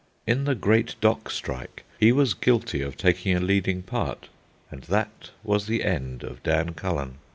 In the "Great Dock Strike" he was guilty of taking a leading part. And that was the end of Dan Cullen.